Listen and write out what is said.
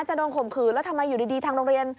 จะโดนข่มขืนแล้วทำไมอยู่ดีทางโรงเรียน